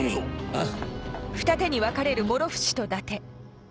ああ。